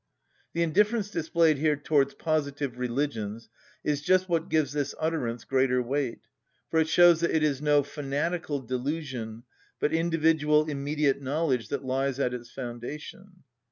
The indifference displayed here towards positive religions is just what gives this utterance greater weight, for it shows that it is no fanatical delusion, but individual immediate knowledge that lies at its foundation.